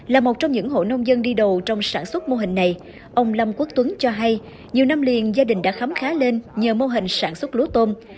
là một trong những hộ nông dân đi đầu trong sản xuất mô hình này ông lâm quốc tuấn cho hay nhiều năm liền gia đình đã khám khá lên nhờ mô hình sản xuất lúa tôm